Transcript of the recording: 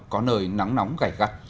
có nơi nắng nóng gầy gắt